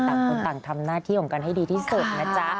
ต่างคนต่างทำหน้าที่ของกันให้ดีที่สุดนะจ๊ะ